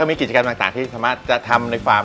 ว้าวกิจกรรมวันนี้ก็สนุกมากนะแม่